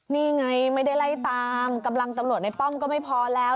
นี่ไงไม่ได้ไล่ตามกำลังตำรวจในป้อมก็ไม่พอแล้ว